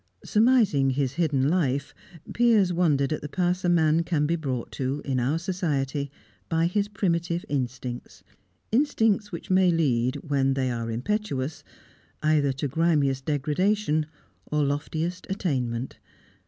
Surmising his hidden life, Piers wondered at the pass a man can be brought to, in our society, by his primitive instincts; instincts which may lead, when they are impetuous, either to grimiest degradation or loftiest attainment.